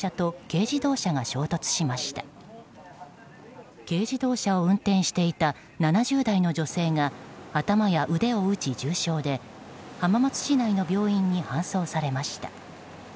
軽自動車を運転していた７０代の女性が頭や腕を打ち重傷で浜松市内の病院に搬送されました。